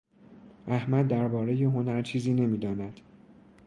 احمد دربارهی هنر چیزی نمیداند.